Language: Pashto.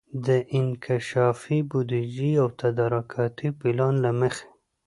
د انکشافي بودیجې او تدارکاتي پلان له مخي